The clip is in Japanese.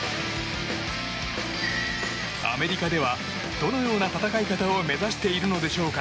アメリカではどのような戦い方を目指しているのでしょうか？